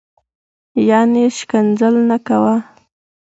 یعنی شکنځل نه کوه